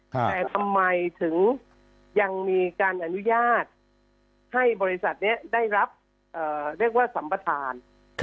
แต่ทำไมถึงยังมีการอนุญาตให้บริษัทนี้ได้รับเรียกว่าสัมปทาน